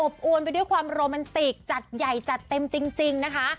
อวนไปด้วยความโรแมนติกจัดใหญ่จัดเต็มจริงนะคะ